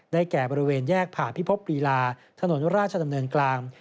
แก่บริเวณแยกผ่าพิภพลีลาถนนราชดำเนินกลาง